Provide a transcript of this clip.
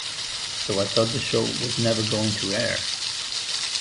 So I thought the show was never going to air.